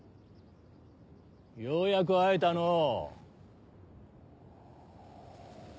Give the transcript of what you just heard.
ようやく会えたのう。